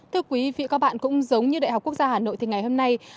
thưa quý vị và các bạn cũng giống như đại học quốc gia hà nội thì ngày hôm nay